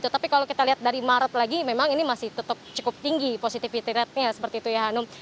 tapi kalau kita lihat dari maret lagi memang ini masih tetap cukup tinggi positivity ratenya seperti itu ya hanum